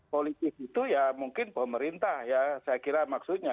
politik itu ya mungkin pemerintah ya saya kira maksudnya